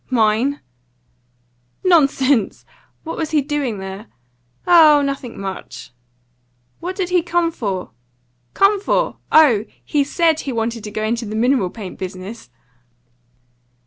"Mine." "Nonsense! What was he doing there?" "Oh, nothing much." "What did he come for?" "Come for? Oh! he SAID he wanted to go into the mineral paint business."